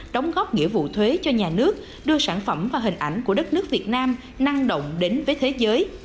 đóng góp nghĩa vụ thuế cho nhà nước đưa sản phẩm và hình ảnh của đất nước việt nam năng động đến với thế giới